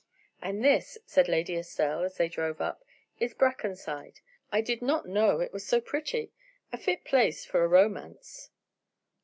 "And this," said Lady Estelle, as they drove up, "is Brackenside. I did not know it was so pretty. A fit place for a romance."